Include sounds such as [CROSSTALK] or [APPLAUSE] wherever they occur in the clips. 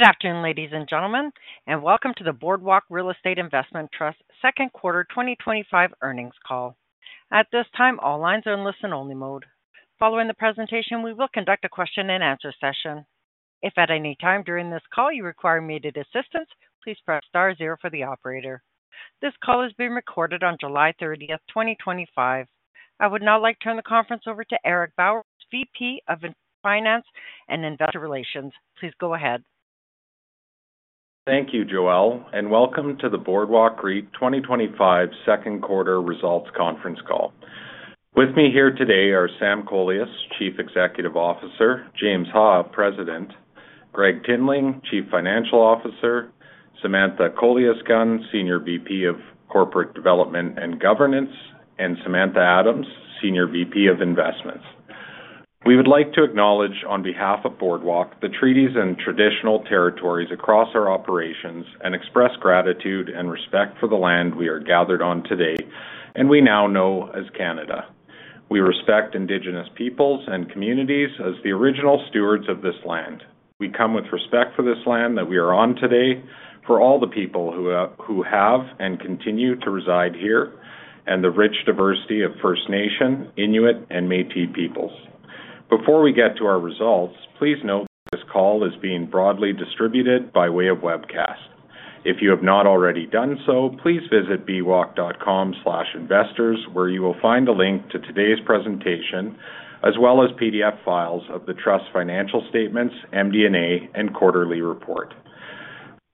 Good afternoon ladies and gentlemen and welcome to the Boardwalk Real Estate Investment Trust second quarter 2025 earnings call. At this time, all lines are in listen-only mode. Following the presentation, we will conduct a question and answer session. If at any time during this call you require assistance, please press star zero for the operator. This call is being recorded on July 30th, 2025. I would now like to turn the conference over to Eric Bowers, VP of Finance and Investor Relations. Please go ahead. Thank you Joelle, and welcome to the Boardwalk REIT 2025 second quarter results conference call. With me here today are Sam Kolias, Chief Executive Officer, James Ha, President, Gregg Tinling, Chief Financial Officer, Samantha Kolias-Gunn, Senior VP of Corporate Development and Governance, and Samantha Adams, Senior VP of Investments. We would like to acknowledge on behalf of Boardwalk the treaties and traditional territories across our operations and express gratitude and respect for the land we are gathered on today and we now know as Canada. We respect Indigenous peoples and communities as the original stewards of this land. We come with respect for this land that we are on today, for all the people who have and continue to reside here and the rich diversity of First Nation, Inuit, and Métis peoples. Before we get to our results, please note this call is being broadly distributed by way of webcast. If you have not already done so, please visit bwoc.com/investors where you will find a link to today's presentation as well as PDF files of the trust's financial statements, MD&A, and quarterly report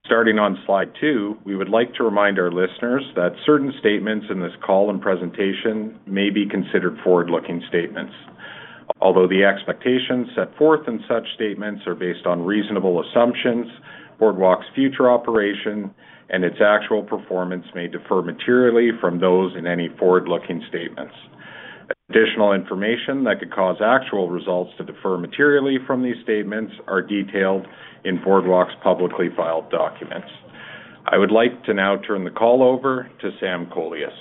starting on slide two. We would like to remind our listeners that certain statements in this call and presentation may be considered forward-looking statements. Although the expectations set forth in such statements are based on reasonable assumptions, Boardwalk's future operation and its actual performance may differ materially from those in any forward-looking statements. Additional information that could cause actual results to differ materially from these statements are detailed in Boardwalk's publicly filed documents. I would like to now turn the call over to Sam Kolias.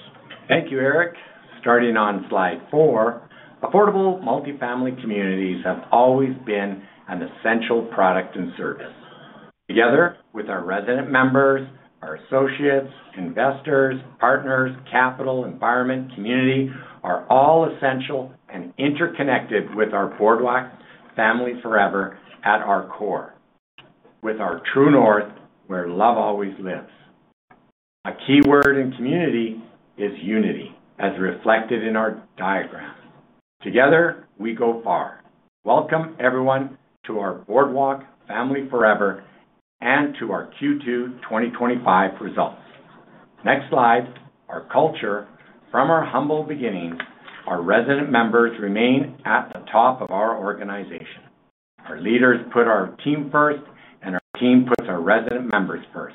Thank you, Eric. Starting on slide four. Affordable, multifamily communities have always been an essential product and service. Together with our resident members, our associates, investors, partners, capital environment, community are all essential and interconnected with our Boardwalk family forever. At our core, with our true north where love always lives. A key word in community is unity as reflected in our diagram. Together we go far. Welcome everyone to our Boardwalk family forever and to our Q2 2025 results. Next slide. Our culture from our humble beginnings, our resident members remain at the top of our organization. Our leaders put our team first and our team puts our resident members first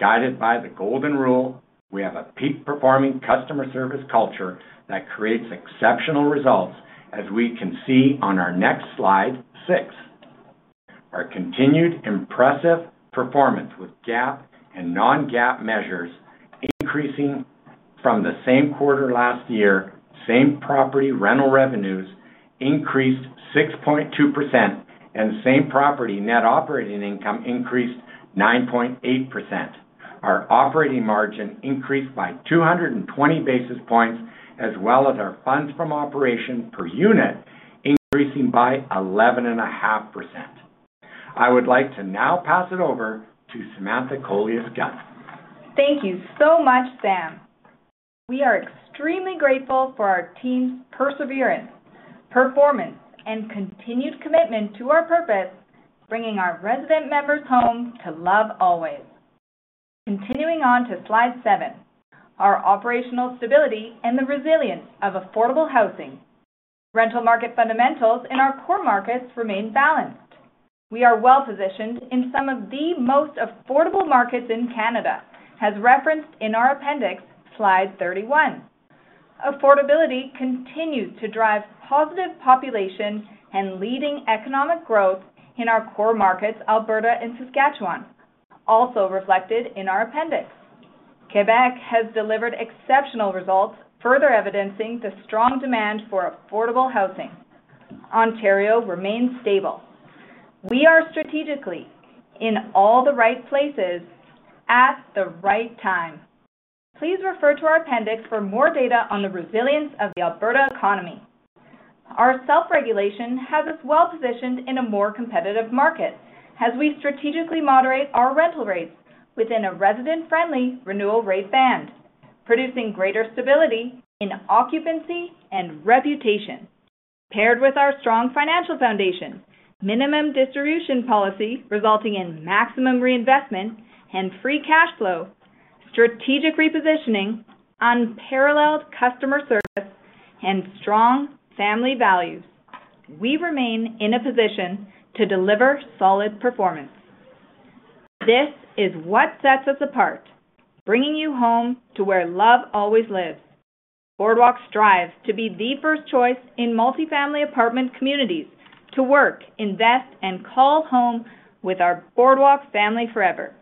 guided by the Golden Rule, we have a peak performing customer service culture that creates exceptional results as we can see on our next slide six. Our continued impressive performance with GAAP and non-GAAP measures increasing from the same quarter last year. Same property rental revenues increased 6.2% and same property net operating income increased 9.8%. Our operating margin increased by 220 basis points as well as our funds from operations per unit increasing by 11.5%. I would like to now pass it over to Samantha Kolias-Gunn Thank you so much Sam. We are extremely grateful for our team's perseverance, performance, and continued commitment to our purpose, bringing our resident members home to love always. Continuing on to slide seven, our operational stability and the resilience of affordable housing rental market fundamentals in our core markets remain balanced. We are well positioned in some of the most affordable markets in Canada, as referenced in our appendix. slide 31, affordability continues to drive home positive population and leading economic growth in our core markets, Alberta and Saskatchewan, also reflected in our appendix. Quebec has delivered exceptional results, further evidencing the strong demand for affordable housing. Ontario remains stable. We are strategically in all the right places at the right time. Please refer to our appendix for more data on the resilience of the Alberta economy. Our self-regulation has us well positioned in a more competitive market as we strategically moderate our rental rates within a resident-friendly renewal rate band, producing greater stability in occupancy and reputation. Paired with our strong financial foundation, minimum distribution policy resulting in maximum reinvestment and free cash flow, strategic repositioning, unparalleled customer service, and strong family values, we remain in a position to deliver solid performance. This is what sets us apart. Bringing you home to where love always lives. Boardwalk strives to be the first choice in multifamily apartment communities to work, invest, and call home with our Boardwalk family forever.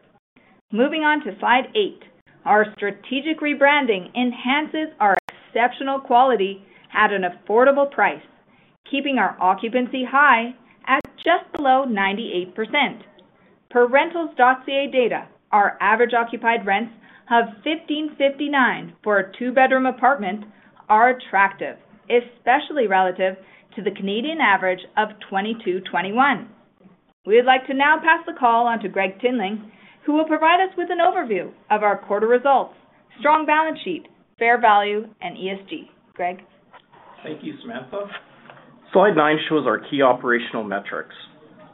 Moving on to slide 8, our strategic rebranding enhances our exceptional quality at an affordable price, keeping our occupancy high at just below 98% per Rentals.ca data. Our average occupied rents of $1,559 for a two-bedroom apartment are attractive, especially relative to the Canadian average of $2,221. We would like to now pass the call on to Gregg Tinling, who will provide us with an overview of our quarter results. Strong balance sheet, fair value, and ESG. Greg. Thank you, Samantha. slide nine shows our key operational metrics.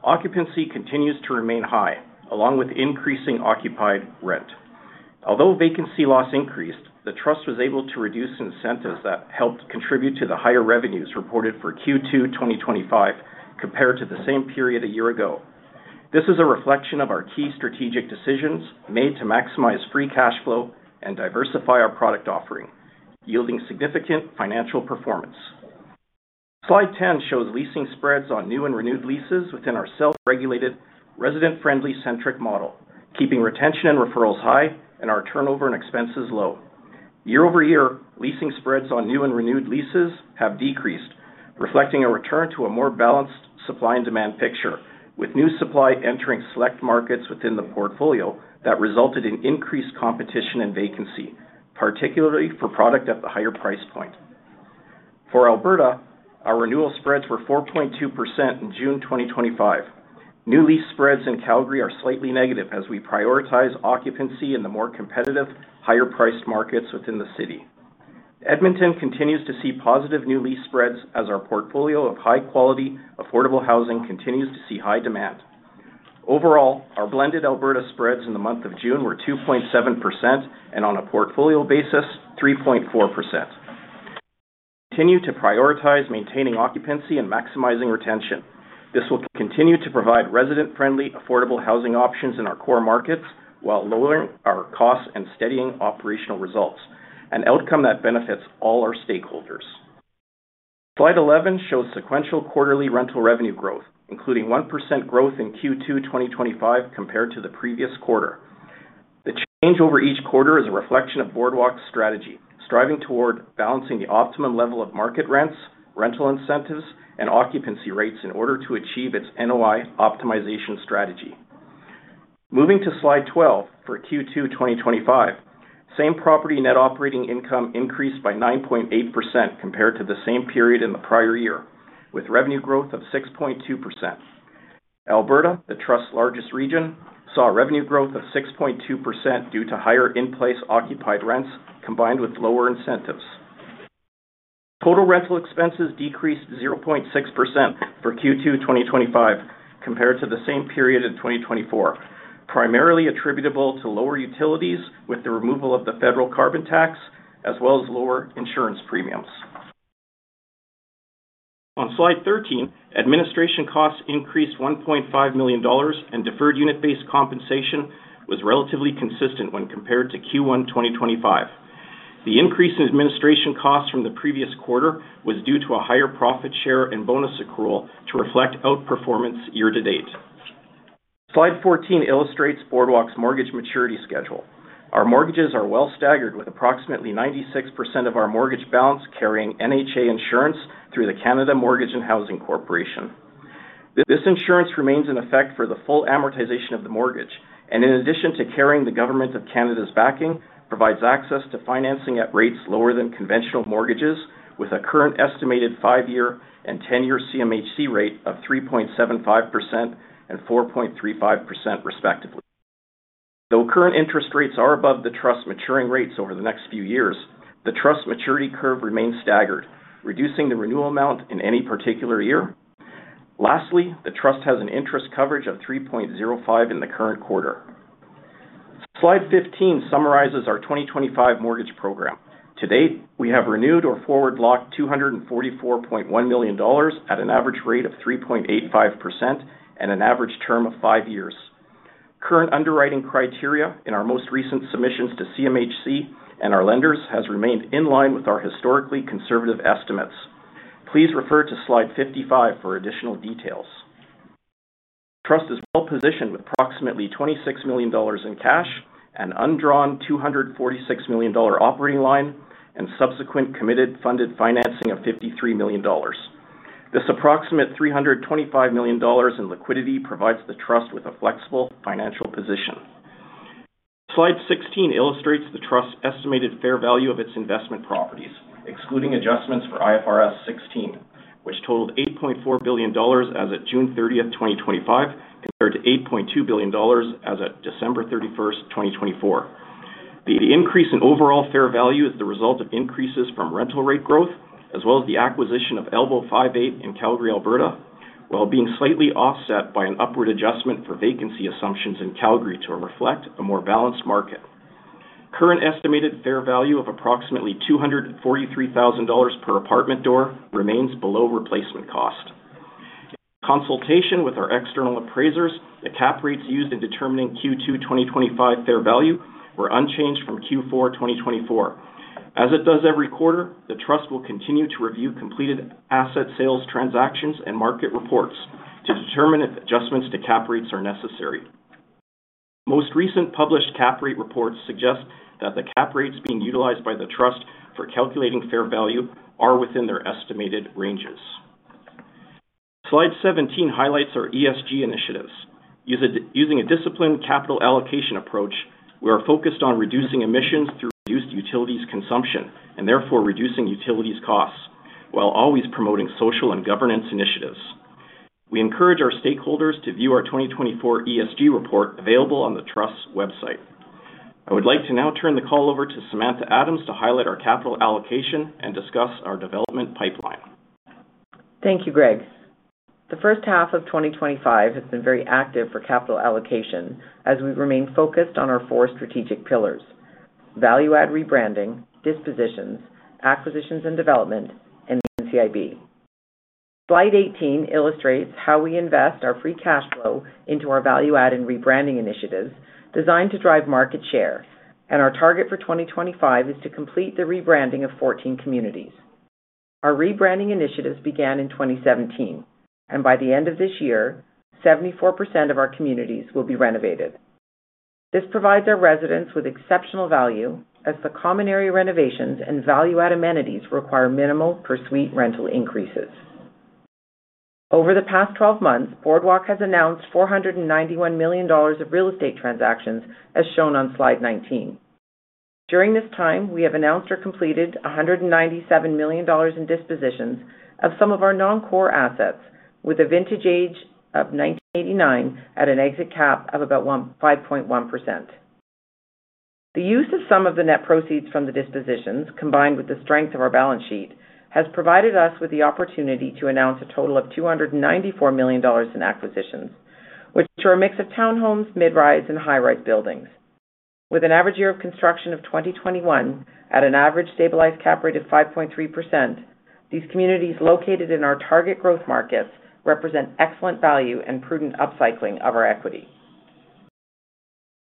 Occupancy continues to remain high along with increasing occupied rent. Although vacancy loss increased, the trust was able to reduce incentives that helped contribute to the higher revenues reported for Q2 2025 compared to the same period a year ago. This is a reflection of our key strategic decisions made to maximize free cash flow and diversify our product offering, yielding significant financial performance. Slide 10 shows leasing spreads on new and renewed leases within our self-regulated, resident-friendly, centric model, keeping retention and referrals high and our turnover and expenses low. Year-over-year leasing spreads on new and renewed leases have decreased, reflecting a return to a more balanced supply and demand picture with new supply entering select markets within the portfolio that resulted in increased competition and vacancy, particularly for product at the higher price point. For Alberta, our renewal spreads were 4.2% in June 2025. New lease spreads in Calgary are slightly negative as we prioritize occupancy in the more competitive, higher-priced markets within the city. Edmonton continues to see positive new lease spreads as our portfolio of high-quality, affordable housing continues to see high demand. Overall, our blended Alberta spreads in the month of June were 2.7% and on a portfolio basis 3.4%. We continue to prioritize maintaining occupancy and maximizing retention. This will continue to provide resident-friendly, affordable housing options in our core markets while lowering our costs and steadying operational results, an outcome that benefits all our stakeholders. slide 11 shows sequential quarterly rental revenue growth, including 1% growth in Q2 2025 compared to the previous quarter. The change over each quarter is a reflection of Boardwalk's strategy striving toward balancing the optimum level of market rents, rental incentives, and occupancy rates in order to achieve its NOI optimization strategy. Moving to slide 12, for Q2 2025, same property net operating income increased by 9.8% compared to the same period in the prior year, with revenue growth of 6.2%. Alberta, the trust's largest region, saw revenue growth of 6.2% due to higher in-place occupied rents combined with lower incentives. Total rental expenses decreased 0.6% for Q2 2025 compared to the same period in 2024, primarily attributable to lower utilities with the removal of the federal carbon tax as well as lower insurance premiums. On slide 13, administration costs increased $1.5 million and deferred unit based compensation was relatively consistent when compared to Q1 2025. The increase in administration costs from the previous quarter was due to a higher profit share and bonus accrual to reflect outperformance year to date. slide 14 illustrates Boardwalk's mortgage maturity schedule. Our mortgages are well staggered with approximately 96% of our mortgage balance carrying NHA insurance through the Canada Mortgage and Housing Corporation. This insurance remains in effect for the full amortization of the mortgage, and in addition to carrying the Government of Canada's backing, provides access to financing at rates lower than conventional mortgages with a current estimated 5-year and 10-year CMHC rate of 3.75% and 4.35% respectively. Though current interest rates are above the Trust's maturing rates over the next few years, the Trust's maturity curve remains staggered, reducing the renewal amount in any particular year. Lastly, the Trust has an interest coverage of 3.05 in the current quarter. Slide 15 summarizes our 2025 mortgage program to date. We have renewed or forward locked $244.1 million at an average rate of 3.85% and an average term of five years. Current underwriting criteria in our most recent submissions to CMHC and our lenders has remained in line with our historically conservative estimates. Please refer to slide 55 for additional details. The Trust is well positioned with approximately $26 million in cash, an undrawn $246 million operating line, and subsequent committed funded financing of $53 million. This approximate $325 million in liquidity provides the Trust with a flexible financial position. slide 16 illustrates the Trust's estimated fair value of its investment properties excluding adjustments for IFRS 16, which totaled $8.4 billion as of June 30th, 2025, compared to $8.2 billion as of December 31st, 2024. The increase in overall fair value is the result of increases from rental rate growth as well as the acquisition of Elbow 5 Eight in Calgary, Alberta, while being slightly offset by an upward adjustment for vacancy assumptions in Calgary to reflect a more balanced market. Current estimated fair value of approximately $243,000 per apartment door remains below replacement cost. In consultation with our external appraisers, the cap rates used in determining Q2 2025 fair value were unchanged from Q4 2024. As it does every quarter, the Trust will continue to review completed asset sales transactions and market reports to determine if adjustments to cap rates are necessary. Most recent published cap rate reports suggest that the cap rates being utilized by the Trust for calculating fair value are within their estimated ranges. Slide 17 highlights our ESG initiatives using a disciplined capital allocation approach. We are focused on reducing emissions through reduced utilities consumption and therefore reducing utilities costs while always promoting social and governance initiatives. We encourage our stakeholders to view our 2024 ESG report available on the Trust's website. I would like to now turn the call over to Samantha Adams to highlight our capital allocation and discuss our development pipeline. Thank you, Gregg. The first half of 2025 has been very active for capital allocation as we remain focused on our four strategic pillars: Value Add, Rebranding, Dispositions, Acquisitions and Development, and NCIB. Slide 18 illustrates how we invest our free cash flow into our value add and rebranding initiatives designed to drive market share, and our target for 2025 is to complete the rebranding of 14 communities. Our rebranding initiatives began in 2017, and by the end of this year, 74% of our communities will be renovated. This provides our residents with exceptional value as the common area renovations and value add amenities require minimal per suite rental increases. Over the past 12 months, Boardwalk has announced $491 million of real estate transactions as shown on slide 19. During this time, we have announced or completed $197 million in dispositions of some of our non-core assets with a vintage age 1989 at an exit cap of about 5.1%. The use of some of the net proceeds from the dispositions combined with the strength of our balance sheet has provided us with the opportunity to announce a total of $294 million in acquisitions, which are a mix of townhomes, mid-rise, and high-rise buildings with an average year of construction of 2021 at an average stabilized cap rate of 5.3%. These communities located in our target growth markets represent excellent value and prudent upcycling of our equity.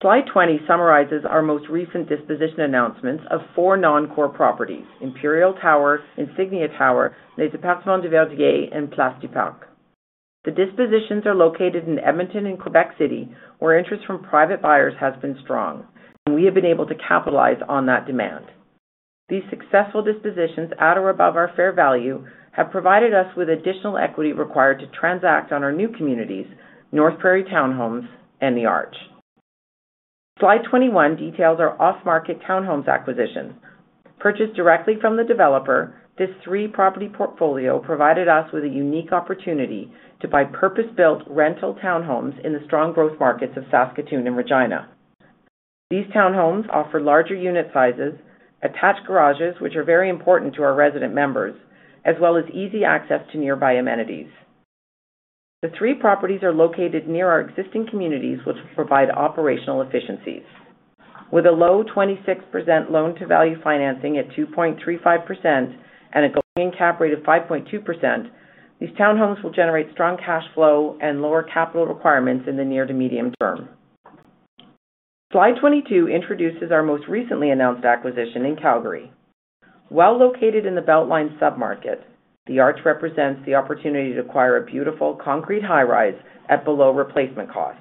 Slide 20 summarizes our most recent disposition announcements of four non-core: Imperial Tower, Insignia Tower, Les Parcents, Des Verdiers, and Place du Parc. The dispositions are located in Edmonton and Quebec City, where interest from private buyers has been strong, and we have been able to capitalize on that demand. These successful dispositions at or above our fair value have provided us with additional equity required to transact on our new communities. North Prairie Townhomes and the Arch. Slide 21 details our off-market townhomes acquisition purchased directly from the developer. This three-property portfolio provided us with a unique opportunity to buy purpose-built rental townhomes in the strong growth markets of Saskatoon and Regina. These townhomes offer larger unit sizes, attached garages, which are very important to our resident members, as well as easy access to nearby amenities. The three properties are located near our existing communities, which provide operational efficiencies with a low 26% loan to value financing at 2.35% and a going-in cap rate of 5.2%. These townhomes will generate strong cash flow and lower capital requirements in the near to medium term. Slide 22 introduces our most recently announced acquisition in Calgary. Located in the Beltline submarket, the Arch represents the opportunity to acquire a beautiful concrete high-rise at below replacement cost.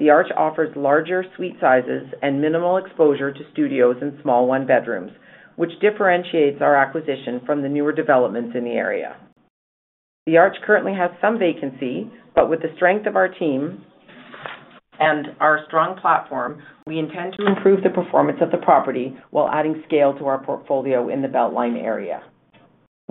The Arch offers larger suite sizes and minimal exposure to studios and small one bedrooms, which differentiates our acquisition from the newer developments in the area. The Arch currently has some vacancy, but with the strength of our team and our strong platform, we intend to improve the performance of the property while adding scale to our portfolio in the Beltline area.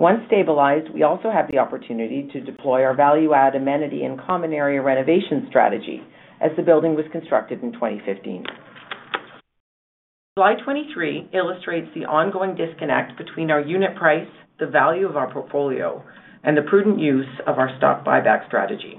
Once stabilized, we also have the opportunity to deploy our value-add, amenity, and common area renovation strategy as the building was constructed in 2015. Slide 23 illustrates the ongoing disconnect between our unit price, the value of our portfolio, and the prudent use of our stock buyback strategy.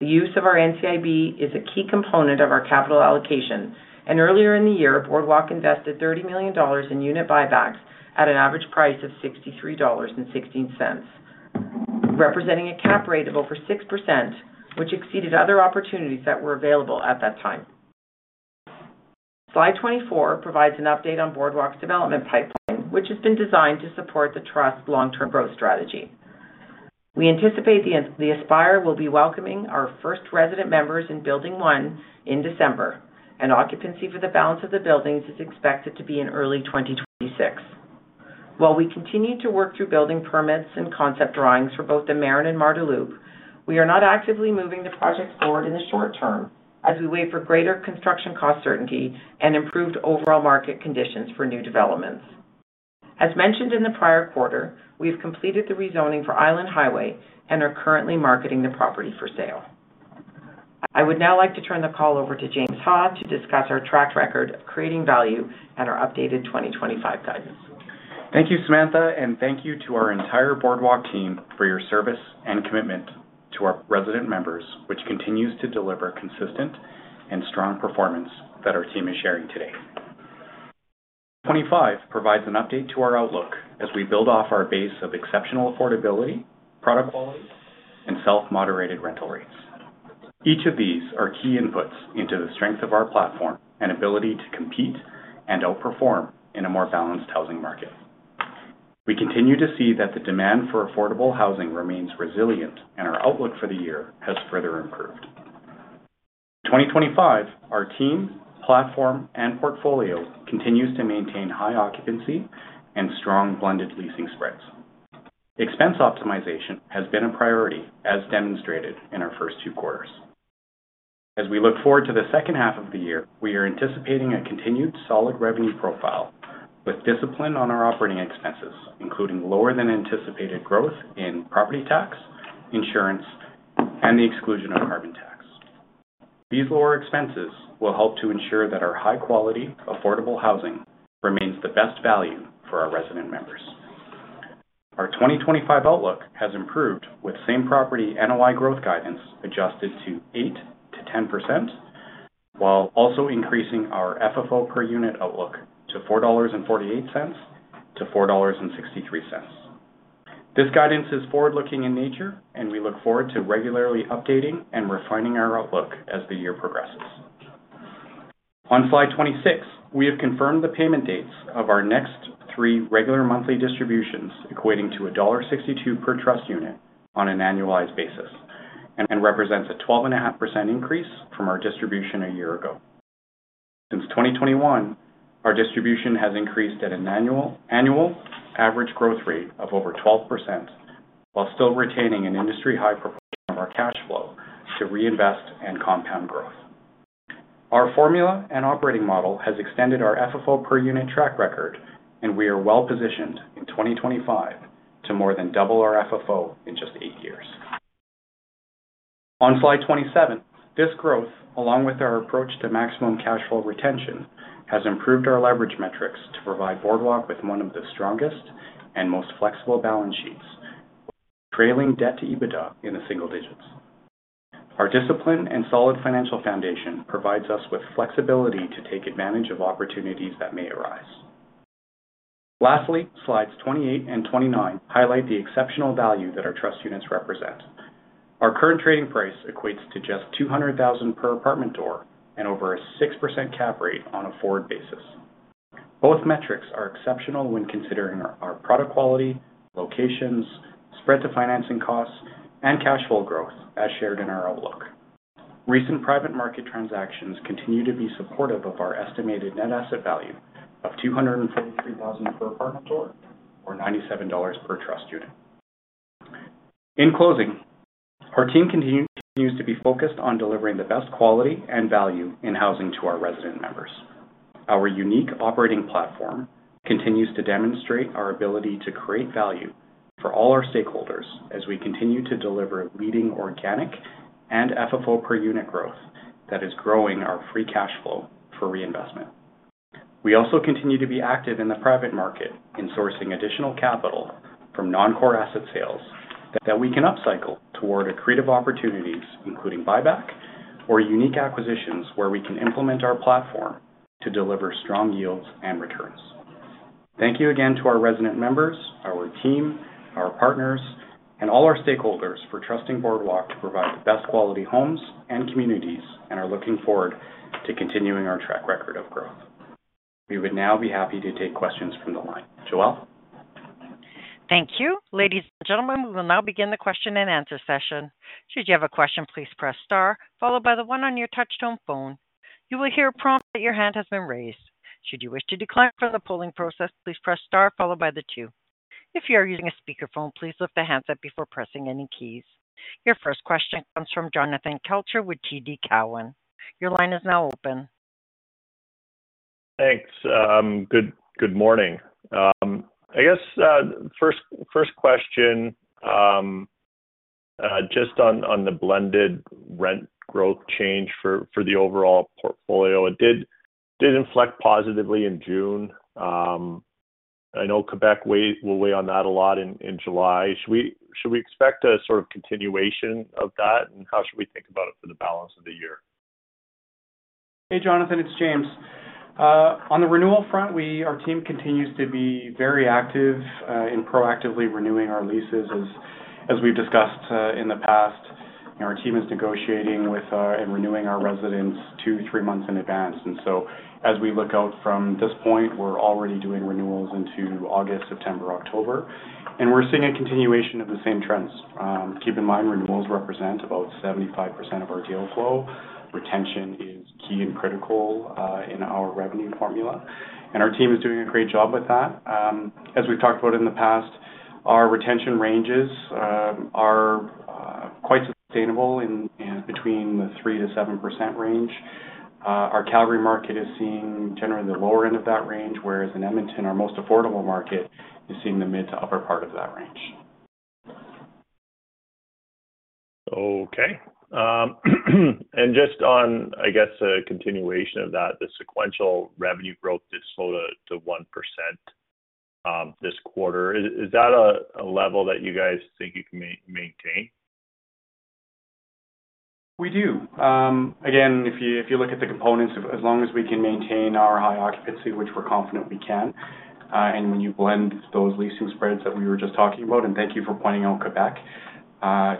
The use of our NCIB is a key component of our capital allocation, and earlier in the year Boardwalk invested $30 million in unit buybacks at an average price of $63.16, representing a cap rate of over 6%, which exceeded other opportunities that were available at that time. Slide 24 provides an update on Boardwalks development pipeline, which has been designed to support the Trust's long-term growth strategy. We anticipate the Aspire will be welcoming our first resident members in Building One in December, and occupancy for the balance of the buildings is expected to be in early 2026. While we continue to work through building permits and concept drawings for both the Marin and Mardeloop, we are not actively moving the project forward in the short term as we wait for greater construction cost certainty and improved overall market conditions for new developments. As mentioned in the prior quarter, we have completed the rezoning for Island Highway and are currently marketing the property for sale. I would now like to turn the call over to James Ha to discuss our track record of creating value and our updated 2025 guidance. Thank you, Samantha, and thank you to our entire Boardwalk team for your service and commitment to our resident members, which continues to deliver consistent and strong performance that our team is sharing today. 2025 provides an update to our outlook as we build off our base of exceptional affordability, product quality, and self-moderated rental rates. Each of these are key inputs into the strength of our platform and ability to compete and outperform in a more balanced housing market. We continue to see that the demand for affordable housing remains resilient, and our outlook for the year has further improved. 2025, our team, platform, and portfolio continues to maintain high occupancy and strong blended leasing spreads. Expense optimization has been a priority as demonstrated in our first two quarters. As we look forward to the second half of the year, we are anticipating a continued solid revenue profile with discipline on our operating expenses, including lower than anticipated growth in property tax, insurance, and the exclusion of carbon tax. These lower expenses will help to ensure that our high-quality affordable housing remains the best value for our resident members. Our 2025 outlook has improved with same property NOI growth guidance adjusted to 8%-10% while also increasing our FFO per unit outlook to $4.48-$4.63. This guidance is forward-looking in nature, and we look forward to regularly updating and refining our outlook as the year progresses. On slide 26, we have confirmed the payment dates of our next three regular monthly distributions, equating to $1.62 per trust unit on an annualized basis and represents a 12.5% increase from our distribution a year ago. Since 2021, our distribution has increased at an annual average growth rate of over 12% while still retaining an industry high proportion of our cash flow to reinvest and compound growth. Our formula and operating model has extended our FFO per unit track record, and we are well positioned in 2025 to more than double our FFO in just eight years. On slide 27, this growth along with our approach to maximum cash flow retention has improved our leverage metrics to provide Boardwalk with one of the strongest and most flexible balance sheets, trailing debt to EBITDA in the single digits. Our discipline and solid financial foundation provides us with flexibility to take advantage of opportunities that may arise. Lastly, slides 28 and 29 highlight the exceptional value that our trust units represent. Our current trading price equates to just $200,000 per apartment door and over a 6% cap rate on a forward basis. Both metrics are exceptional when considering our product quality, locations, spread to financing costs, and cash flow growth as shared in our outlook. Recent private market transactions continue to be supportive of our estimated net asset value of $243,000 per apartment door or $97 per trust unit. In closing, our team continues to be focused on delivering the best quality and value in housing to our resident members. Our unique operating platform continues to demonstrate our ability to create value for all our stakeholders as we continue to deliver leading organic and FFO per unit growth that is growing our free cash flow for reinvestment. We also continue to be active in the private market in sourcing additional capital from non-core asset sales that we can upcycle toward accretive opportunities, including buyback or unique acquisitions where we can implement our platform to deliver strong yields and returns. Thank you again to our resident members, our team, our partners, and all our stakeholders for trusting Boardwalk to provide the best quality homes and communities and are looking forward to continuing our track record of growth. We would now be happy to take questions from the line. Joelle, Thank you, ladies and gentlemen. We will now begin the question and answer session. Should you have a question, please press Star followed by the one on your touchtone phone. You will hear a prompt that your hand has been raised. Should you wish to decline from the polling process, please press Star followed by the two. If you are using a speakerphone, please lift the handset before pressing any keys. Your first question comes from Jonathan Kelcher with TD Cowen. Your line is now open. Thanks. Good morning. I guess first question just on the blended rent growth change for the overall portfolio. It did inflect positively in June. I know Quebec will weigh on that a lot in July. Should we expect a sort of continuation of that, and how should we think about it for the balance of the year? Hey Jonathan, it's James. On the renewal front, our team continues to be very active in proactively renewing our leases. As we've discussed in the past, our team is negotiating with and renewing our residents two, three months in advance. As we look out from this point, we're already doing renewals into August, September, October, and we're seeing a continuation of the same trends. Keep in mind, renewals represent about 75% of our deal flow. Retention is key and critical in our revenue formula, and our team is doing a great job with that. As we've talked about in the past, our retention ranges are quite sustainable in between the 3%-7% range. Our Calgary market is seeing generally the lower end of that range, whereas in Edmonton, our most affordable market is seeing the mid to upper part of that range. Okay, just on a continuation of that, the sequential revenue growth did slow to 1% this quarter. Is that a level that you guys think you can maintain? We do. Again, if you look at the components, as long as we can maintain our high occupancy, which we're confident we can, and when you blend those leasing spreads that we were just talking about, thank you for pointing out Quebec.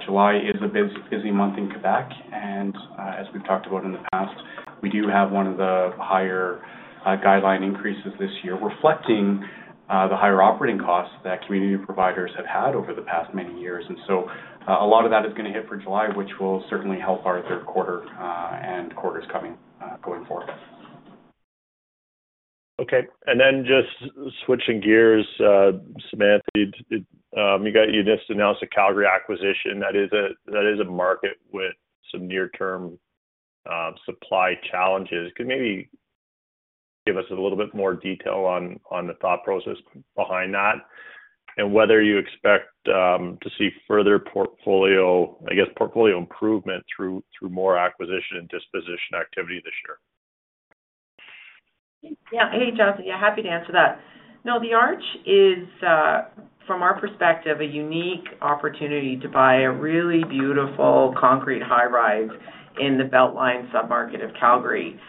July is a busy month in Quebec. As we've talked about in the past, we do have one of the higher guideline increases this year reflecting the higher operating costs that community providers have had over the past many years. A lot of that is going to hit for July, which will certainly help our third quarter and quarters going forward. Okay. Just switching gears, Samantha, you just announced the Calgary acquisition. That is a market with some near term supply challenges. Could you maybe give us a little bit more detail on the thought process behind that and whether you expect to see further portfolio improvement through more acquisition and disposition activity this year? Yeah. Hey Jonathan. Yeah, happy to answer that. No, the Arch is from our perspective a unique opportunity to buy a really beautiful concrete high-rise in the Beltline submarket of Calgary.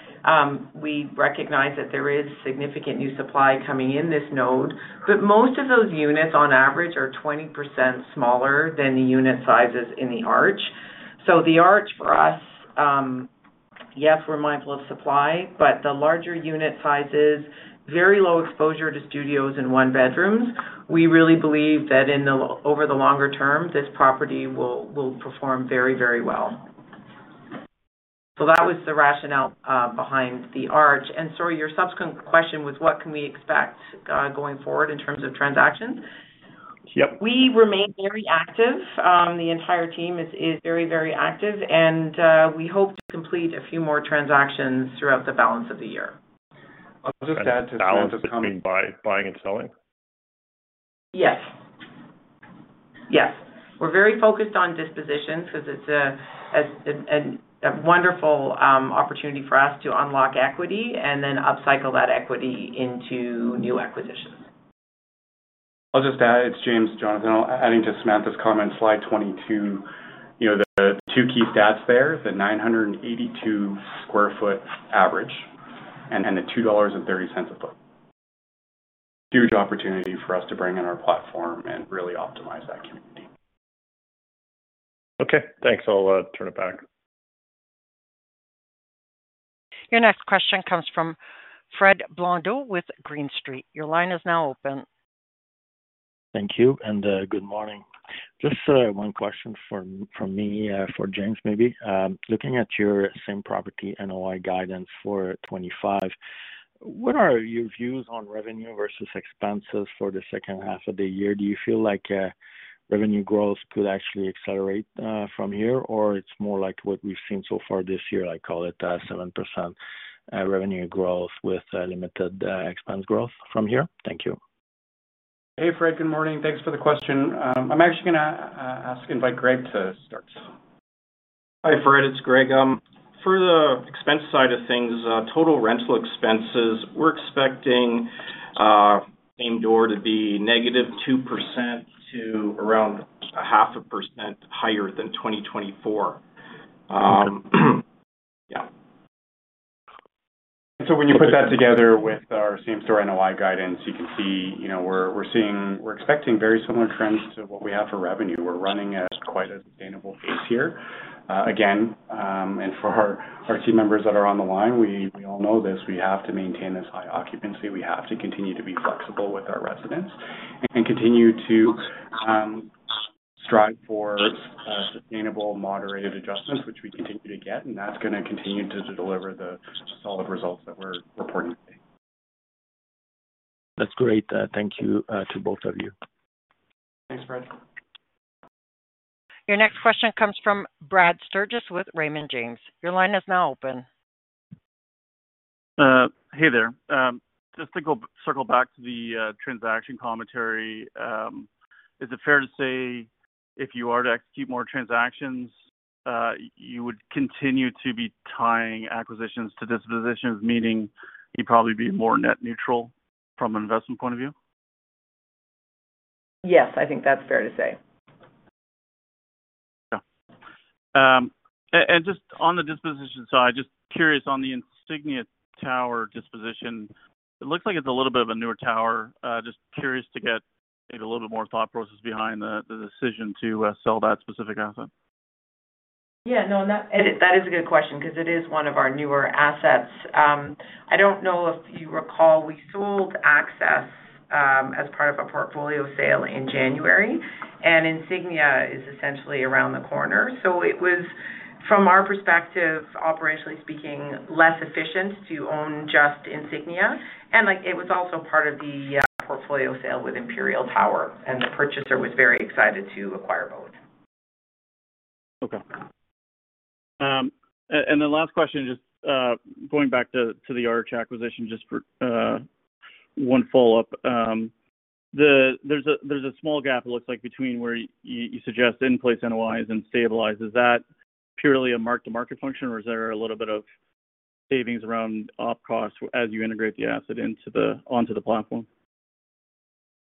We recognize that there is significant new supply coming in this node, but most of those units on average are 20% smaller than the unit sizes in the Arch. The Arch for us, yes, we're mindful of supply, but the larger unit sizes, very low exposure to studios and one bedrooms. We really believe that over the longer term this property will perform very, very well. That was the rationale behind the Arch, and sorry, your subsequent question was what can we expect going forward in terms of transactions? Yep, we remain very active. The entire team is very, very active, and we hope to complete a few more transactions throughout the balance of the year. [CROSSTALK] buying and selling. Yes, we're very focused on dispositions because it's a wonderful opportunity for us to unlock equity and then upcycle that equity into new acquisitions. I'll just add. It's James. Jonathan, adding to Samantha's comments, slide 22. You know the two key stats there, the 982 sq ft average and the $2.30/ft. Huge opportunity for us to bring in our platform and really optimize that community. Okay, thanks. I'll turn it back. Your next question comes from Fred Blondeau with Green Street. Your line is now open. Thank you and good morning. Just one question from me for James. Maybe looking at your same property NOI guidance for 2025, what are your views on revenue versus expenses for the second half of the year? Do you feel like revenue growth could actually accelerate from here or it's more like what we've seen so far this year? I call it 7% revenue growth with limited expense growth from here. Thank you. Hey, Fred, good morning. Thanks for the question. I'm actually going to ask Greg to start. Hi, Fred, it's Greg. For the expense side of things, total rental expenses, we're expecting same door to be negative -2% to around 0.5% higher than 2024. Yeah. When you put that together with our same store NOI guidance, you can see we're expecting very similar trends to what we have for revenue. We're running at quite a sustainable pace here again. For our team members that are on the line, we all know this, we have to maintain this high occupancy. We have to continue to be focused, flexible with our residents and continue to strive for sustainable, moderated adjustments, which we continue to get. That's going to continue to deliver the solid results that we're reporting. That's great. Thank you to both of you. Thanks, Fred. Your next question comes from Brad Sturges with Raymond James. Your line is now open. Hey there. Just to circle back to the transaction commentary, is it fair to say if you are to execute more transactions, you would continue to be tying acquisitions to dispositions, meaning you'd probably be more net neutral from an investment point of view? Yes, I think that's fair to say. On the disposition side, just curious, on the Insignia Tower disposition, it looks like it's a little bit of a newer tower. Just curious to get a little bit more thought process behind the decision to sell that specific asset. Yeah, no, that is a good question because it is one of our newer assets. I don't know if you recall, we sold Access as part of a portfolio sale in January, and Insignia is essentially around the corner. It was, from our perspective, operationally speaking, less efficient to own just Insignia. It was also part of the portfolio sale with Imperial Tower. The purchaser was very excited to acquire both. Okay, and the last question, just going back to the Arch acquisition, just for one follow up, there's a small gap, it looks like, between where you suggest in place NOI and stabilized. Is that purely a mark to market function, or is there a little bit of savings around OpEx costs as you integrate the asset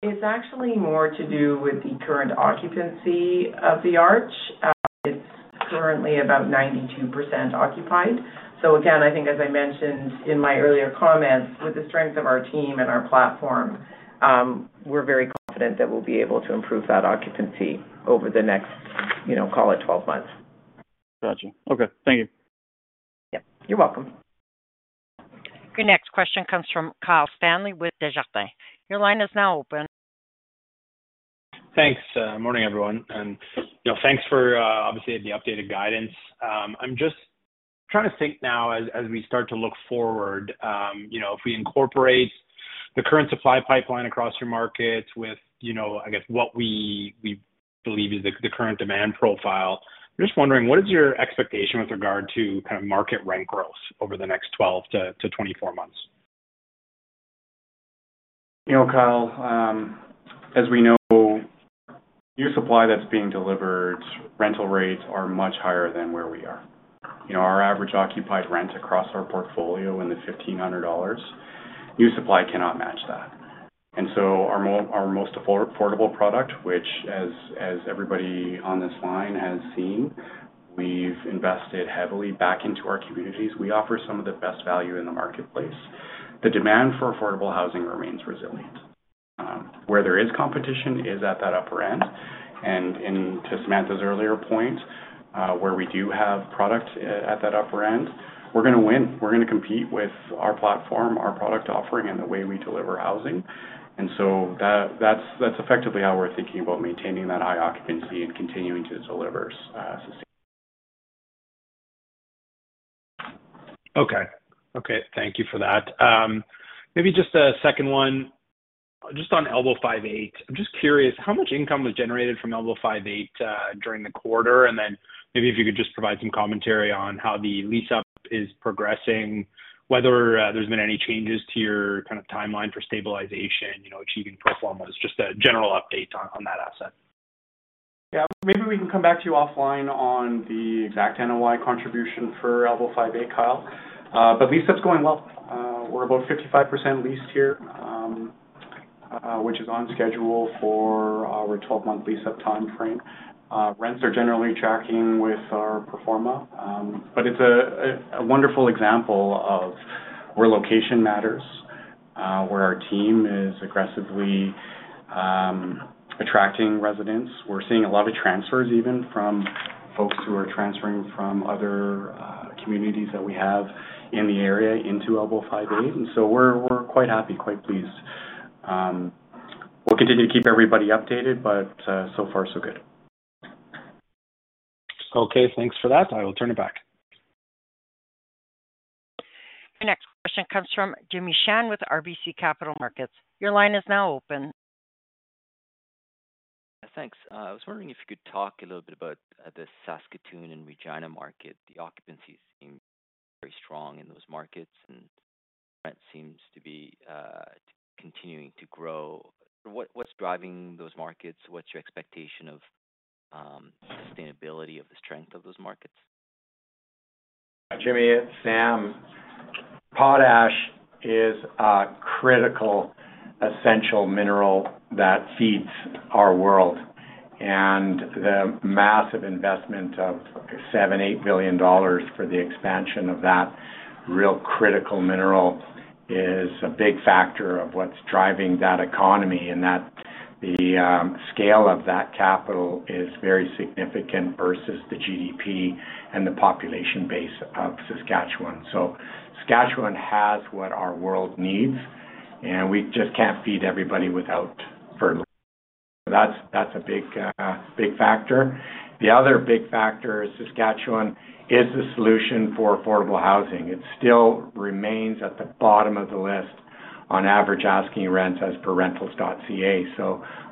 onto the platform? It's actually more to do with the current occupancy of the Arch. It's currently about 92% occupied. I think, as I mentioned in my earlier comments, with the strength of our team and our platform, we're very confident that we'll be able to improve that occupancy over the next, you know, call it 12 months. Gotcha. Okay, thank you. You're welcome. Your next question comes from Kyle Stanley with Desjardins. Your line is now open. Thanks. Morning, everyone. Thanks for, obviously, the updated guidance. I'm just trying to think now as we start to look forward, you know. If we incorporate the current supply pipeline across your market, you know, I guess what we believe is the current demand profile. I'm just wondering what is your expectation with regard to kind of market rent growth over the next 12-24 months? You know, Kyle, as we know, new supply that's being delivered, rental rates are much higher than where we are. Our average occupied rent across our portfolio is in the $1,500. New supply cannot match that. Our most affordable product, which as everybody on this line has seen, we've invested heavily back into our communities, we offer some of the best value in the marketplace. The demand for affordable housing remains resilient. Where there is competition is at that upper end. To Samantha's earlier point, where we do have product at that upper end, we're going to win. We're going to compete with our platform, our product offering, and the way we deliver housing. That's effectively how we're thinking about maintaining that high occupancy and continuing to deliver sustainable. Okay, thank you for that. Maybe just a second one. Just on Elbow 5 Eight. I'm just curious how much income was generated from Elbow 5 Eight during the quarter. Maybe if you could just provide some commentary on how the lease is progressing, whether or there's been any changes to your kind of timeline for stabilization, you know, achieving pro formas. Just a general update on that asset. Yeah, maybe we can come back to you offline on the exact NOI contribution for Elbow 5 Eight, Kyle. Lease up is going well. We're about 55% leased here, which is on schedule for our 12-month lease up time frame. Rents are generally tracking with our pro forma, but it's a wonderful example of where location matters, where our team is aggressively attracting residents. We're seeing a lot of transfers even from folks who are transferring from other communities that we have in the area into Elbow 5 Eight. We're quite happy, quite pleased. We'll continue to keep everybody updated, but so far so good. Okay, thanks for that. I'll turn it back. Next question comes from Jimmy Shan with RBC Capital Markets. Your line is now open. Thanks. I was wondering if you could talk a little bit about the Saskatoon and Regina market. The occupancies seem very strong in those markets, and rent seems to be continuing to grow. What's driving those markets? What's your expectation of sustainability of the strength of those markets? Jimmy, it's Sam. Potash is a critical essential mineral that feeds our world. The massive investment of $7 billion, $8 billion for the expansion of that real critical mineral is a big factor of what's driving that economy. The scale of that capital is very significant versus the GDP and the population base of Saskatchewan. Saskatchewan has what our world needs and we just can't feed everybody without fertilizer. That's a big factor. Another big factor is Saskatchewan is the solution for affordable housing. It still remains at the bottom of the list on average asking rents as per rentals.ca.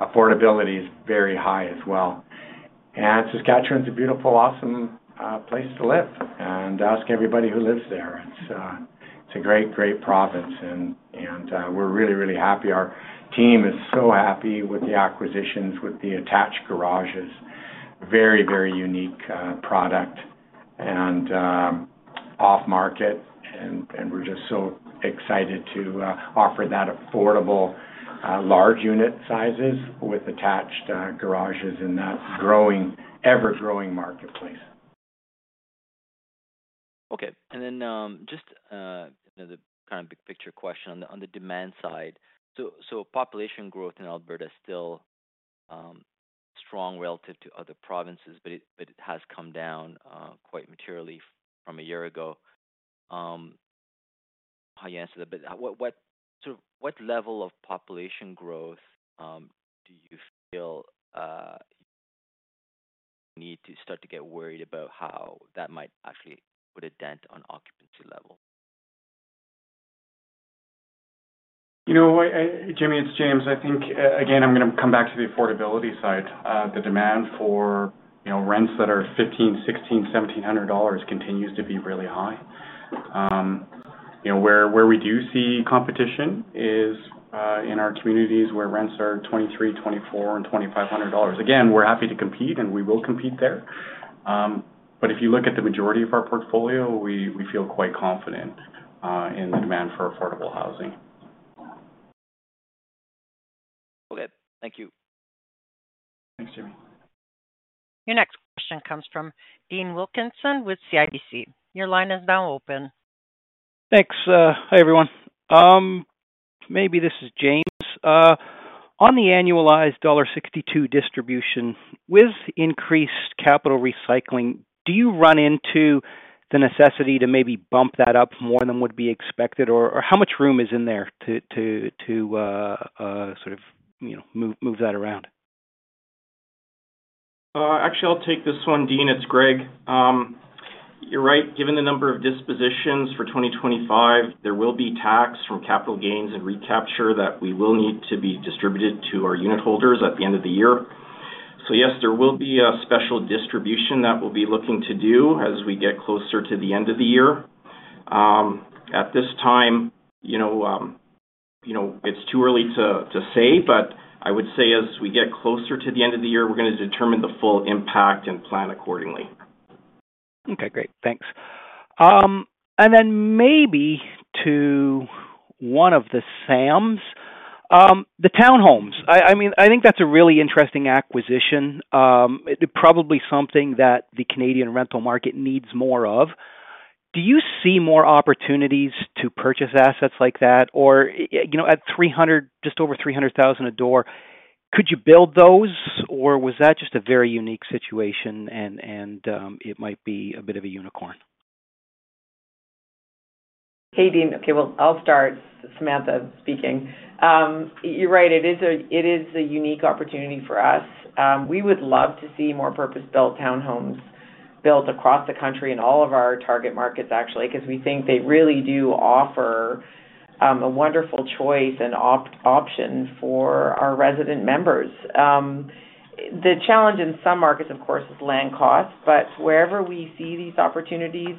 Affordability is very high as well. Saskatchewan is a beautiful, awesome place to live and ask everybody who lives there. It's a great, great province. We're really, really happy. Our team is so happy with the acquisitions with the attached garages. Very, very unique product and off market. We're just so excited to offer that affordable large unit sizes with attached garages in that growing, ever growing marketplace. Okay, and then just another kind of big picture question on the demand side. Population growth in Alberta is still strong relative to other provinces, but it has come down quite materially from a year ago. What level of population growth do you feel you need to start to get worried about how that might actually put a dent on occupancy level? You know, Jimmy, it's James. I think again, I'm going to come back to the affordability side. The demand for rents that are $1,500, $1,600, $1,700 continues to be really high. You know where we do see competition is in our communities where rents are $2,300, $2,400, and $2,500. Again, we're happy to compete and we will compete there, but if you look at the majority of our portfolio, we feel quite confident in the demand for affordable housing. Okay, thank you. Thanks, Jimmy. Your next question comes from Dean Wilkinson with CIBC. Your line is now open. Thanks. Hi everyone. Maybe this is James. On the annualized $62 distribution with increased capital recycling, do you run into the necessity to maybe bump that up more than would be expected, or how much room is in there to sort of move that around? Actually, I'll take this one, Dean, it's Gregg. You're right. Given the number of dispositions for 2025, there will be tax from capital gains and recapture that we will need to be distributed to our unitholders at the end of the year. Yes, there will be a special distribution that we'll be looking to do as we get closer to the end of the year at this time. It's too early to say, but I would say as we get closer to the end of the year, we're going to determine the full impact and plan accordingly. Okay, great, thanks. Maybe to one of the Sams, the townhomes. I mean, I think that's a really interesting acquisition. Probably something that the Canadian rental market needs more of. Do you see more opportunities to purchase assets like that or, you know, at $300,000, just over $300,000 a door, could you build those or was that just a very unique situation and it might be a bit of a unicorn? Hey, Dean. Okay, I'll start. Samantha speaking. You're right. It is a unique opportunity for us. We would love to see more purpose built townhomes built across the country in all of our target markets, actually, because we think they really do offer a wonderful choice and option for our resident members. The challenge in some markets, of course, is land cost. Wherever we see these opportunities,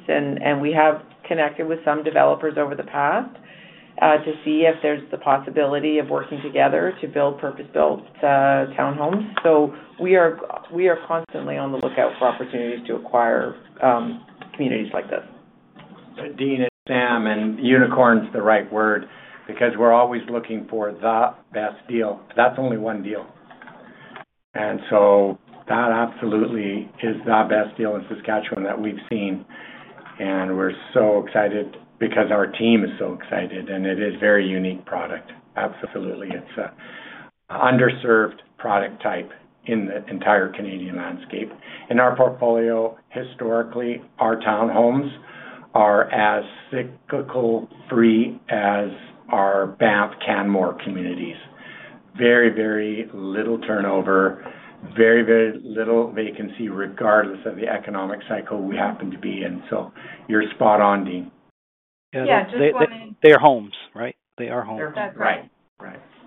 we have connected with some developers over the past to see if there's the possibility of working together to build purpose built townhomes. We are constantly on the lookout for opportunities to acquire communities like this, Dean it's Sam. Unicorn's the right word because we're always looking for the best deal. That's only one deal. That absolutely is the best deal in Saskatchewan that we've seen. We're so excited because our team is so excited and it is very unique product. Absolutely. It's underserved product type in the entire Canadian landscape in our portfolio. Historically, our townhomes are as cyclically free as our Banff Canmore communities. Very, very little turnover. Very, very little vacancy regardless of the economic cycle we happen to be in. You're spot on, Dean. They're homes, right? They are homes. Right.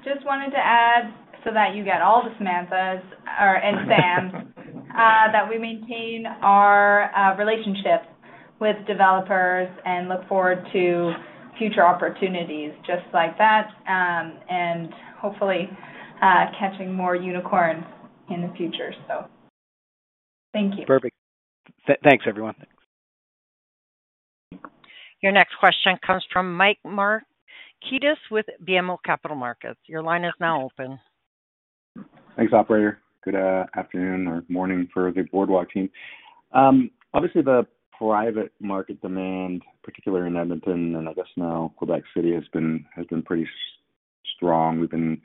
Just wanted to add so that you get all the Samanthas and Sams, that we maintain our relationships with developers and look forward to future opportunities just like that. Hopefully, catch more unicorns in the future. Thank you. Perfect. Thanks everyone. Your next question comes from Mike Markidis with BMO Capital Markets. Your line is now open. Thanks, operator. Good afternoon or morning for the Boardwalk team. Obviously the private market demand, particularly in Edmonton and I guess now Quebec City, has been pretty strong. We've been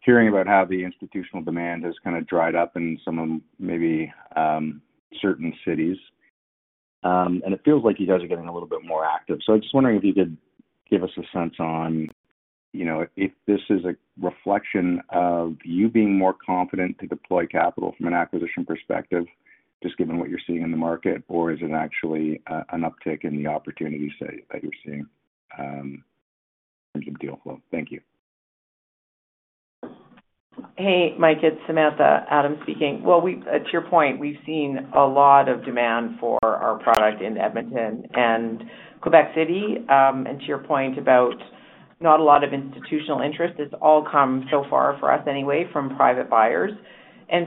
hearing about how the institutional demand has kind of dried up in maybe certain cities, and it feels like you guys are getting a little bit more active. I'm just wondering if you could give us a sense on if this is a reflection of you being more confident to deploy capital from an acquisition perspective just given what you're seeing in the market, or is it actually an uptick in the opportunities that you're seeing in terms of deal flow? Thank you. Hey Mike, it's Samantha Adams speaking. To your point, we've seen a lot of demand for our product in Edmonton and Quebec City. To your point about not a lot of institutional interest, it's all come so far for us anyway from private buyers.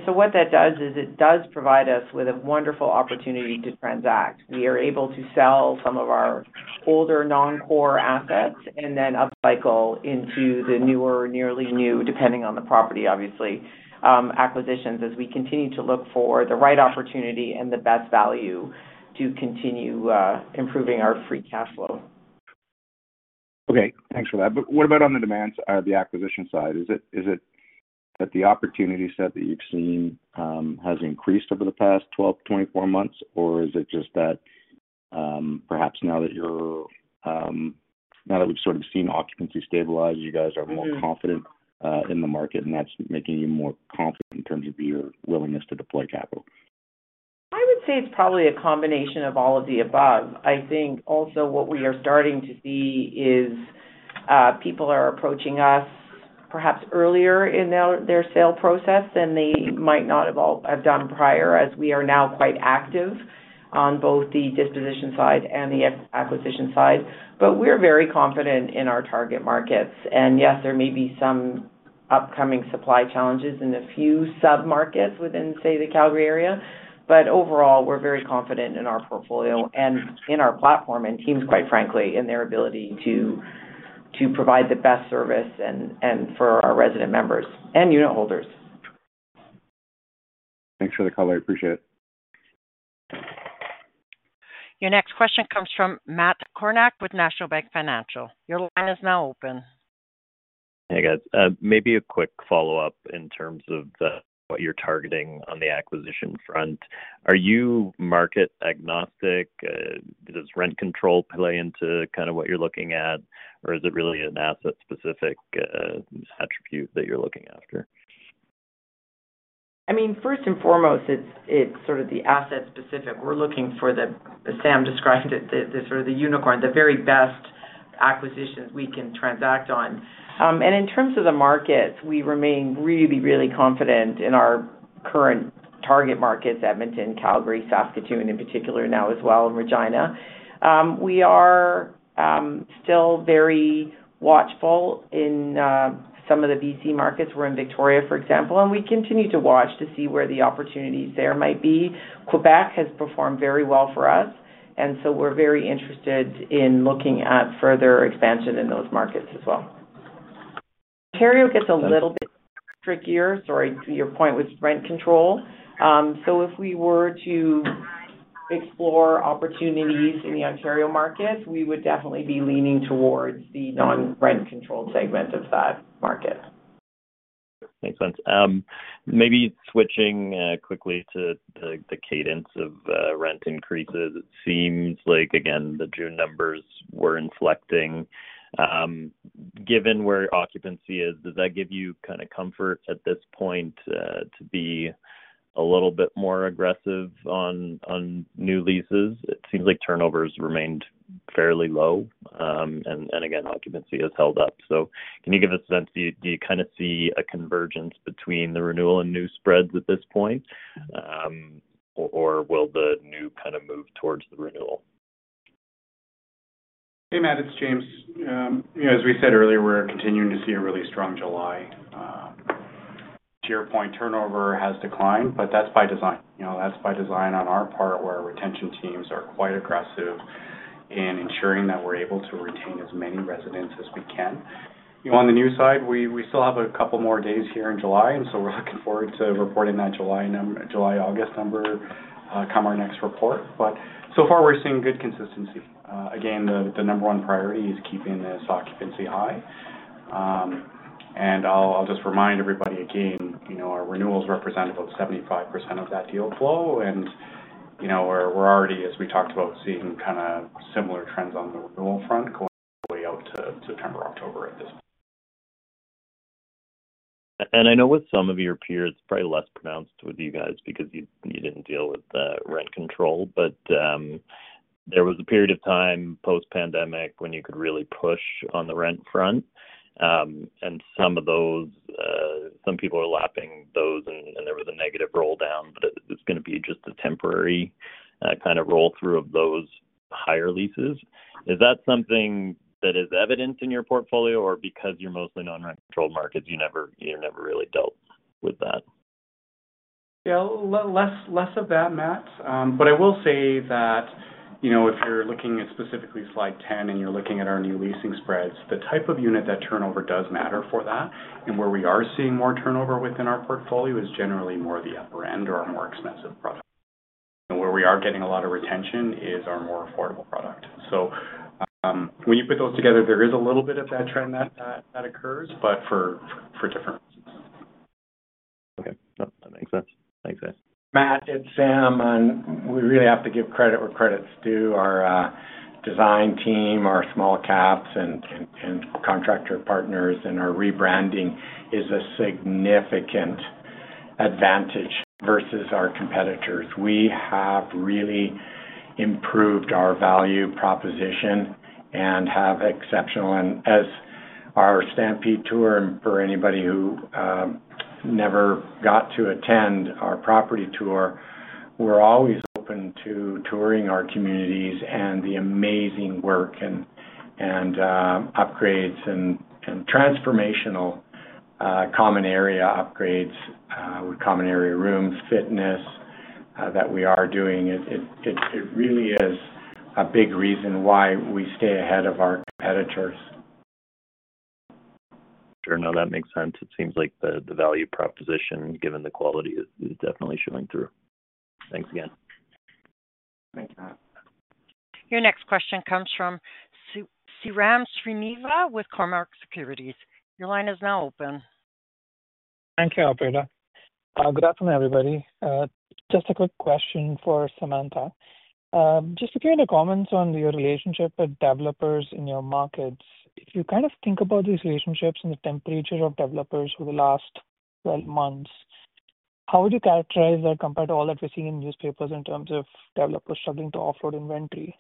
What that does is it does provide us with a wonderful opportunity to transact. We are able to sell some of our older, non-core assets and then upcycle into the newer, nearly new, depending on the property, obviously acquisitions as we continue to look for the right opportunity and the best value to continue improving our free cash flow. Okay, thanks for that. What about on the demand side, the acquisition side? Is it that the opportunity set that you've seen has increased over the past 12, 24 months, or is it just that perhaps now that we've sort of seen occupancy stabilize, you guys are more confident in the market and that's making you more confident in terms of your willingness to deploy capital. I would say it's probably a combination of all of the above. I think also what we are starting to see is people are approaching us perhaps earlier in their sale process than they might have all done prior, as we are now quite active on both the disposition side and the acquisition side. We're very confident in our target markets. Yes, there may be some upcoming supply challenges in a few sub markets within, say, the Calgary area. Overall, we're very confident in our portfolio and in our platform and teams, quite frankly, in their ability to provide the best service for our resident members and unitholders. Thanks for the color. I appreciate it. Your next question comes from Matt Kornack with National Bank Financial. Your line is now open. Hey guys, maybe a quick follow-up. In terms of what you're targeting on the acquisition front, are you market agnostic? Does rent control play into what you're looking at, or is it really an asset-specific attribute that you're looking after? I mean, first and foremost it's sort of the asset specific we're looking for. As Sam described it, the unicorn, the very best acquisitions we can transact on. In terms of the markets, we remain really, really confident in our current target markets: Edmonton, Calgary, Saskatoon in particular now as well, and Regina. We are still very watchful in some of the B.C. markets. We're in Victoria, for example, and we continue to watch to see where the opportunities there might be. Quebec has performed very well for us, and we're very interested in looking at further expansion in those markets as well. Ontario gets a little bit trickier, sorry, to your point with rent control. If we were to explore opportunities in the Ontario markets, we would definitely be leaning towards the non rent controlled segment of that market. Makes sense. Maybe switching quickly to the cadence of rent increases. It seems like again the June numbers were inflecting. Given where occupancy is, does that give you kind of comfort at this point to be a little bit more aggressive on new leases? It seems like turnovers remained fairly low, and again occupancy has held up. Can you give us a sense, do you kind of see a convergence between the renewal and new spreads at this point, or will the new kind of move towards the renewal? Hey Matt, it's James. As we said earlier, we're continuing to see a really strong July sharepoint. Turnover has declined, and that's by design, you know, that's by design on our part where retention teams are quite aggressive in ensuring that we're able to retain as many residents as we can. You know, on the new side, we still have a couple more days here in July, and we're looking forward to reporting that July number, July, August number come our next report. So far we're seeing good consistency. The number one priority is keeping the occupancy high. I'll just remind everybody again, our renewals represent about 75% of that deal flow, and we're already, as we talked about, seeing kind of similar trends on the renewal front going way out to September, October at this point. I know with some of your peers, probably less pronounced with you guys because you didn't deal with rent control, there was a period of time post pandemic when you could really push on the rent front. Some people are lapping those and there was a negative roll down, but it's going to be just a temporary kind of roll through of those higher leases. Is that something that is evident in your portfolio, or because you're mostly non rent controlled markets, you never really dealt with that? Yeah, less of that, Matt. I will say that, you know, if you're looking at specifically slide 10 and you're looking at our new leasing spreads, the type of unit that turnover does matter for that and where we are seeing more turnover within our portfolio is generally more the upper end or more expensive product. Where we are getting a lot of retention is our more affordable product. When you put those together, there is a little bit of that trend that occurs, but for different reasons. Okay, that makes sense. Thanks, guys. Matt, it's Sam. We really have to give credit where credit's due. Our design team, our small caps and contractor partners, and our rebranding is a significant advantage versus our competitors. We have really improved our value proposition and have exceptional. As our stampede tour and for anybody who never got to attend our property tour, we're always open to touring our communities. The amazing work and upgrades and transformational common area upgrades with common area rooms fitness that we are doing, it really is a big reason why we stay ahead of our competitors. Sure. No, that makes sense. It seems like the value proposition given the quality is definitely showing through. Thanks again. Your next question comes from Sairam Srinivas with Cormack Securities. Your line is now open. Thank you, operator. Good afternoon everybody. Just a quick question for Samantha. Just a few other comments on your relationship with developers in your markets. If you kind of think about these relationships and the temperature of developers for the last 12 months, how would you characterize that compared to all that we see in newspapers in terms of developers struggling to offload inventory,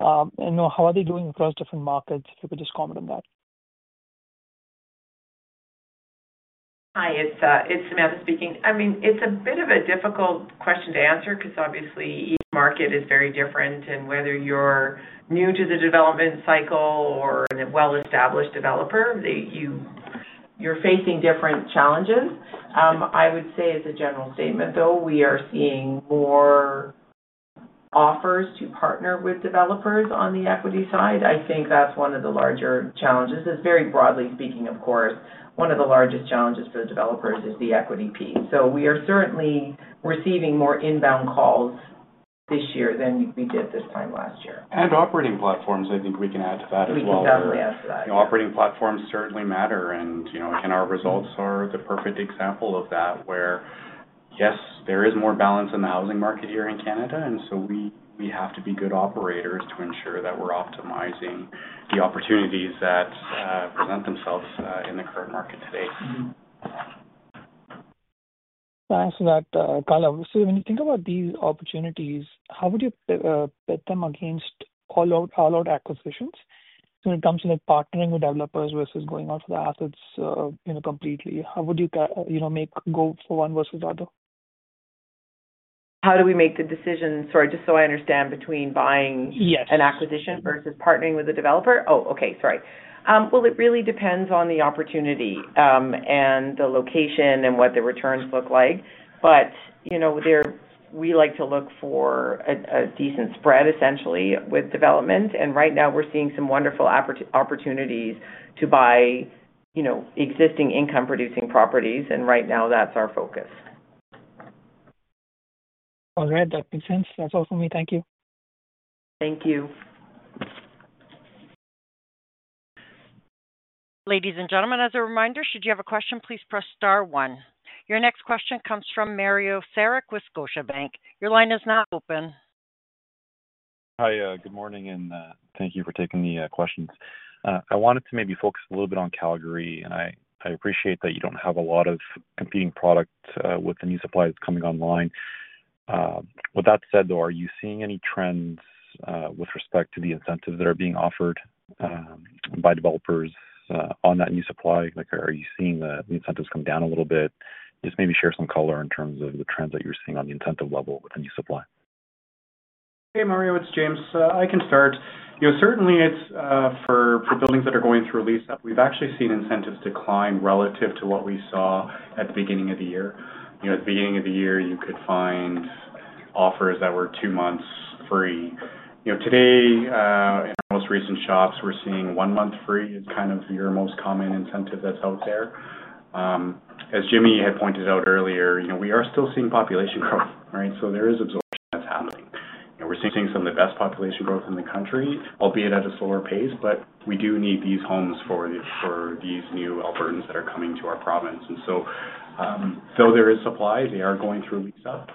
and how are they doing across different markets? If you could just comment on that. It's Samantha speaking. It's a bit of a difficult question to answer because obviously each market is very different, and whether you're new to the development cycle or a well-established developer, you're facing different challenges. I would say as a general statement, though, we are seeing more offers to partner with developers on the equity side. I think that's one of the larger challenges. Very broadly speaking, of course, one of the largest challenges for the developers is the equity piece. We are certainly receiving more inbound calls this year than we did this time last year. We can add to operating platforms as well. We can definitely add to that. The operating platforms certainly matter, and you know, our results are the perfect example of that. Yes, there is more balance in the housing market here in Canada, and we have to be good operators to ensure that we're optimizing the opportunities that present themselves in the current market today. Thanks for that, Kala. When you think about these opportunities, how would you put them against all out acquisitions when it comes to partnering with developers versus going out for the assets completely? How would you make a go for one versus the other? How do we make the decision, just so I understand, between buying. Yes. An acquisition versus partnering with a developer. Okay. It really depends on the opportunity and the location and what the returns look like. You know, we like to look for a decent spread essentially with development. Right now we're seeing some wonderful opportunities to buy existing income producing properties, and right now that's our focus. All right, that makes sense. That's all for me. Thank you. Thank you. Ladies and gentlemen, as a reminder, should you have a question, please press star one. Your next question comes from Mario Saric with Scotiabank. Your line is now open. Hi, good morning and thank you for taking the questions. I wanted to maybe focus a little bit on Calgary, and I appreciate that you don't have a lot of competing product with the new suppliers coming online. With that said, are you seeing any trends with respect to the incentives that are being offered by developers on that new supply? Are you seeing the incentives come down a little bit? Just maybe share some color in terms of the trends that you're seeing on the incentive level with the new supply. Hey Mario, it's James. I can start. Certainly, it's for buildings that are going through lease up. We've actually seen incentives decline relative to what we saw at the beginning of the year. At the beginning of the year, you could find offers that were two months free. Today, in our most recent shops, we're seeing one month free. It's kind of your most common incentive that's out there. As Jimmy had pointed out earlier, we are still seeing population growth. Right. There is absorption that's happening, and we're seeing some of the best population growth in the country, albeit at a slower pace. We do need these homes for these new Albertans that are coming to our province. Though there is supply, they are going through lease up.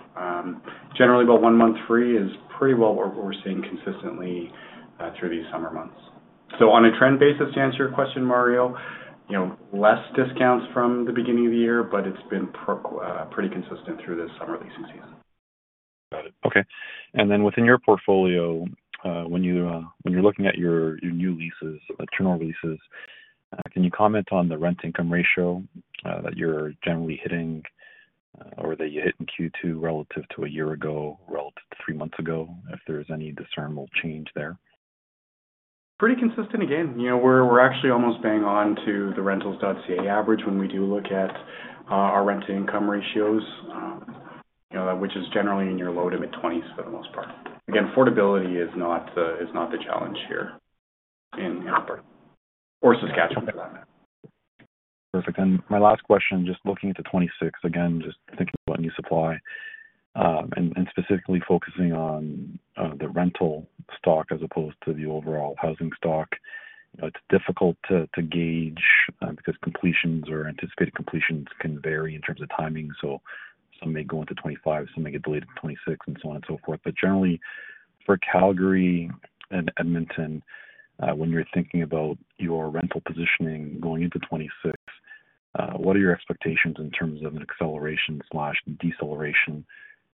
Generally, about one month free is pretty well what we're seeing consistently through these summer months. On a trend basis, to answer your question, Mario, less discounts from the beginning of the year, but it's been pretty consistent through this summer leasing season. Okay. Within your portfolio, when you're looking at your new leases, internal leases, can you comment on the rent to income ratio that you're generally hitting or that you hit in Q2 relative to a year ago, relative to three months ago, if there's any discernible change there? Pretty consistent. Again, you know, we're actually almost bang on to the Rentals.ca average. When we do look at our rent to income ratios, which is generally in your low to mid-20s for the most part, again, affordability is not the challenge here in or Saskatchewan for that matter. Perfect. My last question, just looking at 2026 again, just thinking about new supply and specifically focusing on the rental stock as opposed to the overall housing stock. It's difficult to gauge because completions or anticipated completions can vary in terms of timing. Some may go into 2025, some may get delayed to 2026, and so on and so forth. Generally, for Calgary and Edmonton, when you're thinking about your rental positioning going into 2026, what are your expectations in terms of an acceleration or deceleration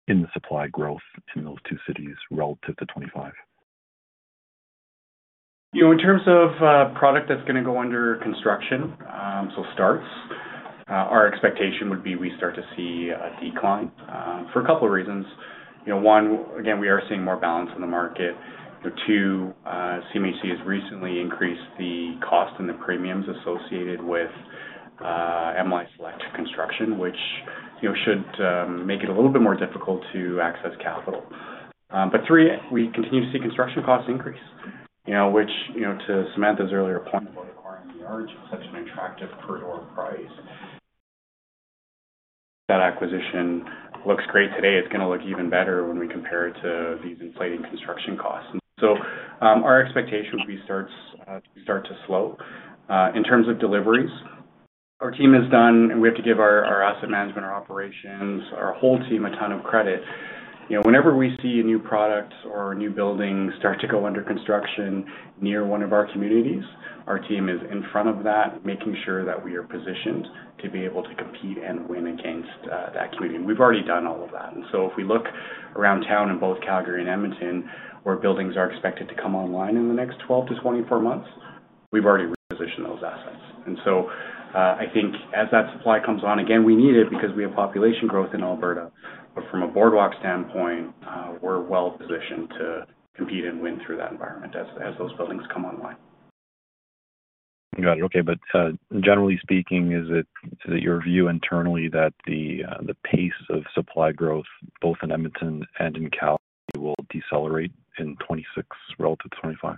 in the supply growth in those two cities relative to 2025? You know, in terms of product that's going to go under construction, our expectation would be we start to see a decline for a couple of reasons. One, again, we are seeing more balance in the market. Two, CMHC has recently increased the cost and the premiums associated with MLI Select construction, which should make it a little bit more difficult to access capital. Three, we continue to see construction costs increase, which, to Samantha's earlier point, acquiring the Arch at such an attractive per door price, that acquisition looks great today. It's going to look even better when we compare it to these inflating construction costs. Our expectation would be starts to slow in terms of deliveries. Our team has done, and we have to give our Asset Management, Operations, our whole team a ton of credit. Whenever we see a new product or new building start to go under construction near one of our communities, our team is in front of that, making sure that we are positioned to be able to compete and win against that community. We've already done all of that. If we look around town in both Calgary and Edmonton, where buildings are expected to come online in the next 12-24 months, we've already repositioned those assets. I think as that supply comes on, again, we need it because we have population growth in Alberta, but from a Boardwalk standpoint, we're well positioned to compete and win through that environment as those buildings come online. Got it. Okay. Generally speaking, is it your view internally that the pace of supply growth both in Edmonton and in Calgary will decelerate in 2026 relative to 2025?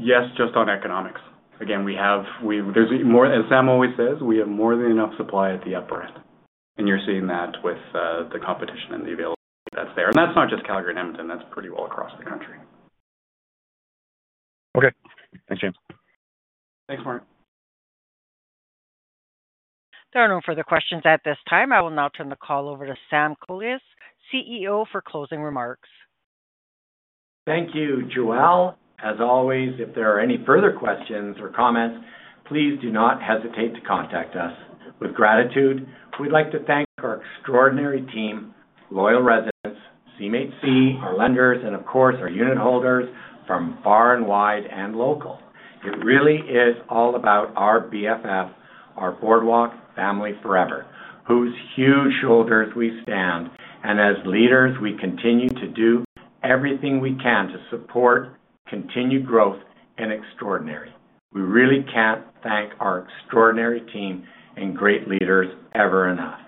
Yes. Just on economics again, we have more. As Sam always says, we have more than enough supply at the upper end, and you're seeing that with the competition. The availability that's there. That's not just Calgary and Edmonton, that's pretty well across the country. Okay, thanks James. Thanks Mark. There are no further questions at this time. I will now turn the call over to Sam Kolias, CEO, for closing remarks. Thank you, Joelle. As always, if there are any further questions or comments, please do not hesitate to contact us. With gratitude, we'd like to thank our extraordinary team, loyal residents, CMHC, our lenders, and of course our unitholders from far and wide and local. It really is all about our BFF, our Boardwalk Family Forever, whose huge shoulders we stand on, and as leaders, we continue to do everything we can to support continued growth and extraordinary results. We really can't thank our extraordinary team and great leaders ever enough.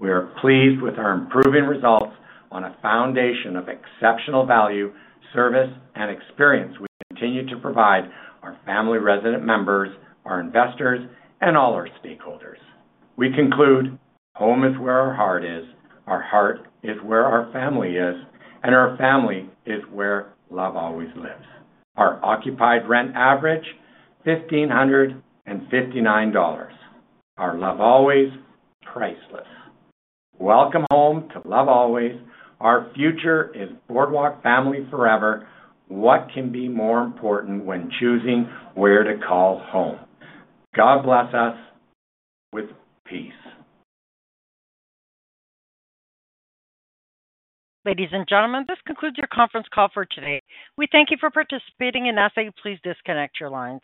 We are pleased with our improving results on a foundation of exceptional value, service, and experience. We continue to provide our family resident members, our investors, and all our stakeholders with our best. We conclude home is where our heart is. Our heart is where our family is, and our family is where Love Always lives. Our occupied rent average is $1,500.59. Our Love Always, priceless. Welcome home to Love Always. Our future is Boardwalk Family Forever. What can be more important when choosing where to call home? God bless us with peace. Ladies and gentlemen, this concludes your conference call for today. We thank you for participating and ask that you please disconnect your lines.